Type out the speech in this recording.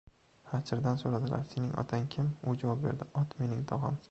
• Xachirdan so‘radilar: “Sening otang kim?” U javob berdi: “Ot — mening tog‘am”.